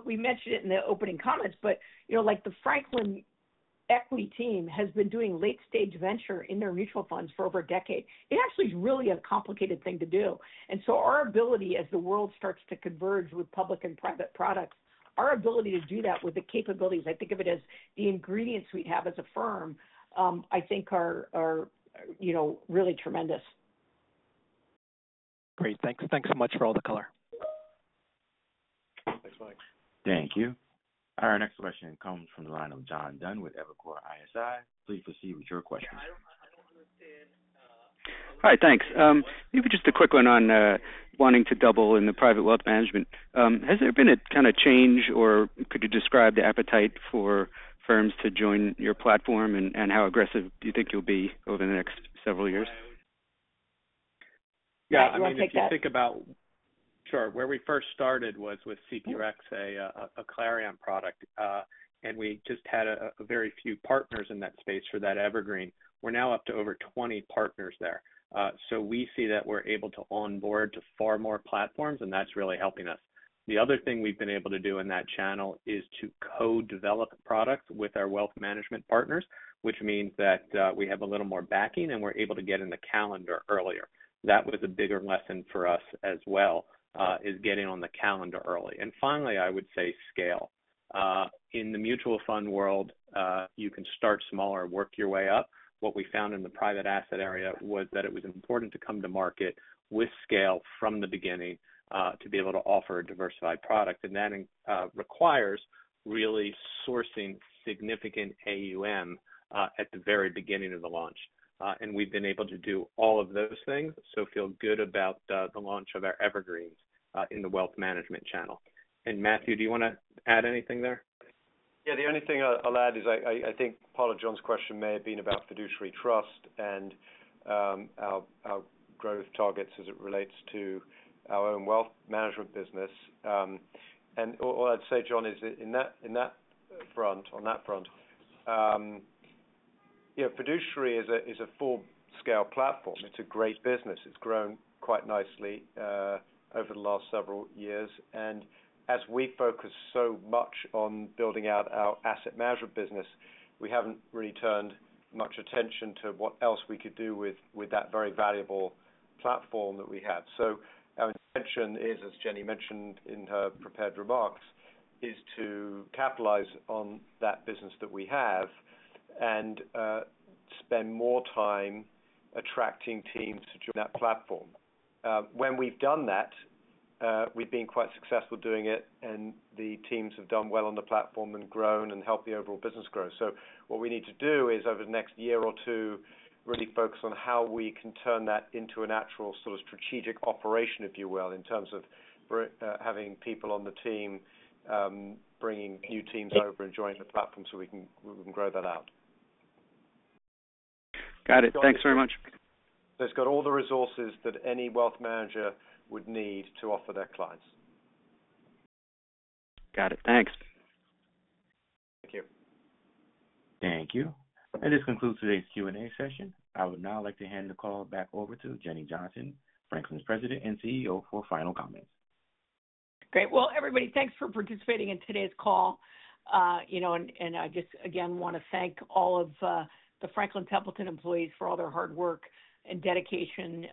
we mentioned it in the opening comments, but the Franklin Equity team has been doing late-stage venture in their mutual funds for over a decade. It actually is really a complicated thing to do. And so our ability, as the world starts to converge with public and private products, our ability to do that with the capabilities, I think of it as the ingredients we have as a firm, I think are really tremendous. Great. Thanks so much for all the color. Thanks, Mike. Thank you. Our next question comes from the line of John Dunn with Evercore ISI. Please proceed with your question. Yeah. I don't understand. All right. Thanks. Maybe just a quick one on wanting to double in the private wealth management. Has there been a kind of change, or could you describe the appetite for firms to join your platform, and how aggressive do you think you'll be over the next several years? Yeah. I want to take that. Sure. Where we first started was with CPREX, a Clarion product, and we just had very few partners in that space for that evergreen. We're now up to over 20 partners there. So we see that we're able to onboard to far more platforms, and that's really helping us. The other thing we've been able to do in that channel is to co-develop products with our wealth management partners, which means that we have a little more backing and we're able to get in the calendar earlier. That was a bigger lesson for us as well, is getting on the calendar early. And finally, I would say scale. In the mutual fund world, you can start smaller, work your way up. What we found in the private asset area was that it was important to come to market with scale from the beginning to be able to offer a diversified product. That requires really sourcing significant AUM at the very beginning of the launch. And we've been able to do all of those things, so feel good about the launch of our evergreens in the wealth management channel. And Matthew, do you want to add anything there? Yeah. The only thing I'll add is I think part of John's question may have been about Fiduciary Trust and our growth targets as it relates to our own wealth management business. And all I'd say, John, is in that front, on that front, Fiduciary Trust is a full-scale platform. It's a great business. It's grown quite nicely over the last several years. And as we focus so much on building out our asset management business, we haven't really turned much attention to what else we could do with that very valuable platform that we have. So our intention is, as Jenny mentioned in her prepared remarks, is to capitalize on that business that we have and spend more time attracting teams to join that platform. When we've done that, we've been quite successful doing it, and the teams have done well on the platform and grown and helped the overall business grow. So what we need to do is, over the next year or two, really focus on how we can turn that into an actual sort of strategic operation, if you will, in terms of having people on the team, bringing new teams over and joining the platform so we can grow that out. Got it. Thanks very much. So it's got all the resources that any wealth manager would need to offer their clients. Got it. Thanks. Thank you. Thank you. And this concludes today's Q&A session. I would now like to hand the call back over to Jenny Johnson, Franklin's President and CEO, for final comments. Great. Well, everybody, thanks for participating in today's call. And I just, again, want to thank all of the Franklin Templeton employees for all their hard work and dedication,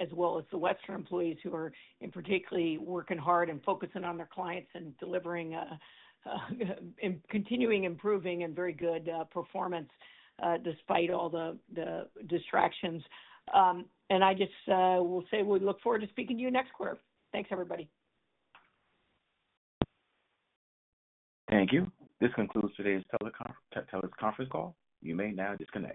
as well as the Western employees who are particularly working hard and focusing on their clients and continuing to improve and very good performance despite all the distractions. And I just will say we look forward to speaking to you next quarter. Thanks, everybody. Thank you. This concludes today's teleconference call. You may now disconnect.